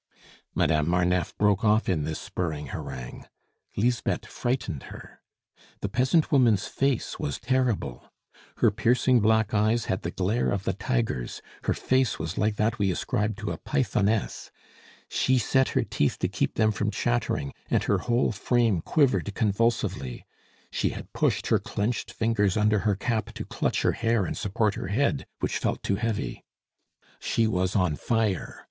Madame Marneffe broke off in this spurring harangue; Lisbeth frightened her. The peasant woman's face was terrible; her piercing black eyes had the glare of the tiger's; her face was like that we ascribe to a pythoness; she set her teeth to keep them from chattering, and her whole frame quivered convulsively. She had pushed her clenched fingers under her cap to clutch her hair and support her head, which felt too heavy; she was on fire.